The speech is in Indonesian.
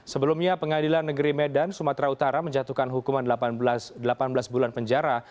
sebelumnya pengadilan negeri medan sumatera utara menjatuhkan hukuman delapan belas bulan penjara